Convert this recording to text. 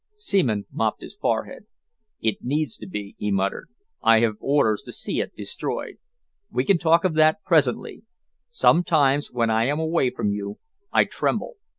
Seaman mopped his forehead. "It needs to be," he muttered. "I have orders to see it destroyed. We can talk of that presently. Sometimes, when I am away from you, I tremble.